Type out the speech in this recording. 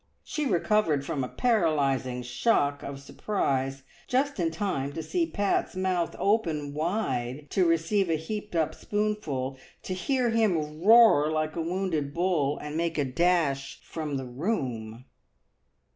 She recovered from a paralysing shock of surprise just in time to see Pat's mouth open wide to receive a heaped up spoonful, to hear him roar like a wounded bull, and make a dash from the room.